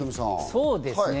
そうですね。